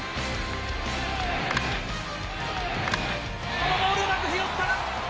このボールうまく拾った！